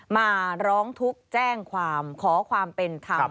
มาร้องทุกข์แจ้งความขอความเป็นธรรม